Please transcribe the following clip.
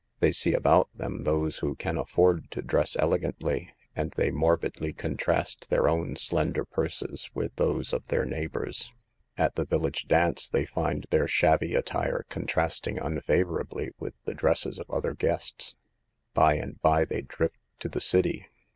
They see about them those who can afford to dress elegantly, and they morbidly contrast their own slender purses with those of their neighbors. At the village dance they find their shabby attire contrasting unfavorably with the dresses of other guests. By and by they drift to the city.